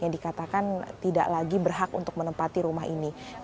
yang dikatakan tidak lagi berhak untuk menempati rumah ini